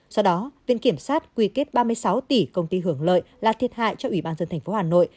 do đó viện kiểm sát quy kết ba mươi sáu tỷ công ty hưởng lợi là thiệt hại cho ủy ban dân thành phố hà nội